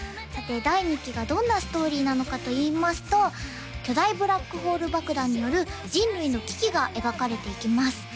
さて第２期がどんなストーリーなのかといいますと巨大ブラックホール爆弾による人類の危機が描かれていきます